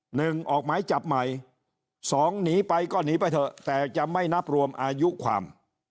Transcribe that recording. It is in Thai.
หนึ่งออกหมายจับใหม่สองหนีไปก็หนีไปเถอะแต่จะไม่นับรวมอายุความ